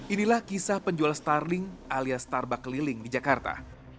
inilah kisah penjual starling alias starbuk keliling di jakarta